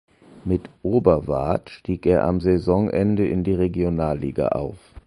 Mit Oberwart stieg er am Saisonende in die Regionalliga auf.